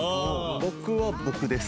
僕は僕です